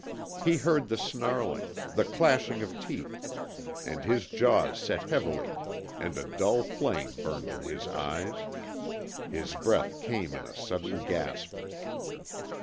He heard the snarling, the clashing of teeth, and his jaws set heavily and a dull flame burned in his eyes. His breath came in a sudden gasp.